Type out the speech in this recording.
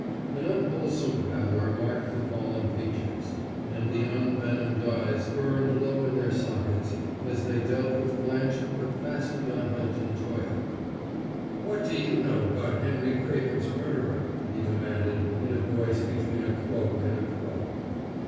An unwholesome pallor marked the fallen features; and the envenomed eyes burned low in their sockets, as they dealt with Blanche but fastened on Hilton Toye. "What do you know about Henry Craven's murderer?" he demanded in a voice between a croak and a crow.